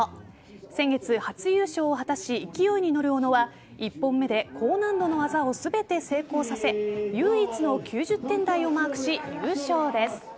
先月、初優勝を果たし勢いに乗る小野は１本目で高難度の技を全て成功させ唯一の９０点台をマークし優勝です。